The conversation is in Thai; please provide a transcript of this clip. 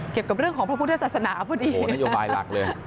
เกี่ยวกับเรื่องของพระพุทธศาสนาพอดีนโยบายหลักเลย